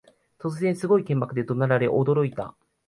突然、すごい剣幕で怒鳴られ驚いた